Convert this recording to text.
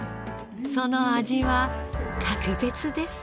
その味は格別です。